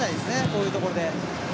こういうところで。